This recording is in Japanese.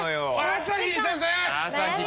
朝日にしたんすね。